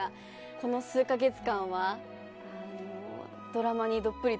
この数カ月間は。